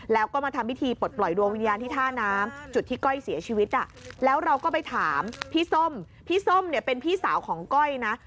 แล้วเราก็ไปถามพี่ส้มพี่ส้มเนี่ยเป็นพี่สาวของก้อยนะ